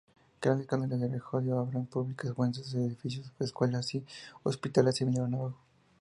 Grandes canales de regadío, obras públicas, puentes, edificios, escuelas y hospitales se vinieron abajo.